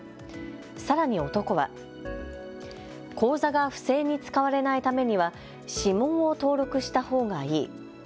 さらに男は口座が不正に使われないためには指紋を登録したほうがいい。